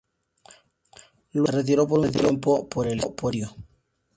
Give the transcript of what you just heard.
Luego, se retiró por un tiempo, por el estudio.